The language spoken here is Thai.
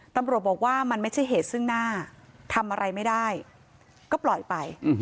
ตำรวจบอกว่ามันไม่ใช่เหตุซึ่งหน้าทำอะไรไม่ได้ก็ปล่อยไป